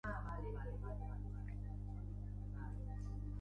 Zendea bakoitza oraingo zein udalerritan banatuta dagoen azaltzen da.